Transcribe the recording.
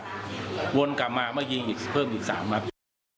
รวมกลับมามายิงอีก๓มัตต์